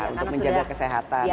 untuk menjaga kesehatan